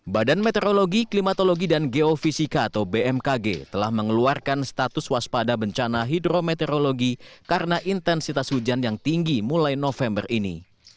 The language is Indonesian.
badan meteorologi klimatologi dan geofisika atau bmkg telah mengeluarkan status waspada bencana hidrometeorologi karena intensitas hujan yang tinggi mulai november ini